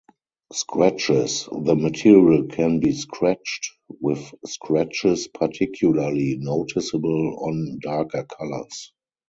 Scratches: The material can be scratched, with scratches particularly noticeable on darker colors.